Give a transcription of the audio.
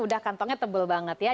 udah kantongnya tebal banget ya